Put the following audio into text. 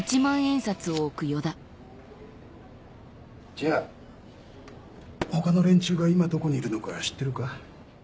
じゃあ他の連中が今どこにいるのか知ってるか？